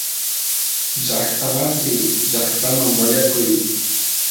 llaqtamasiy llaqtaman voliyakun